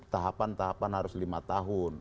tahapan tahapan harus lima tahun